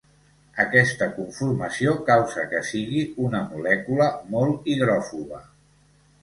Aquesta conformació causa que sigui una molècula molt hidròfoba.